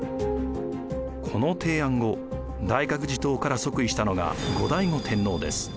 この提案後大覚寺統から即位したのが後醍醐天皇です。